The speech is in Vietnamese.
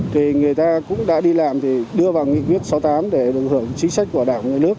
thì người ta cũng đã đi làm thì đưa vào nghị quyết sáu mươi tám để được hưởng chính sách của đảng nhà nước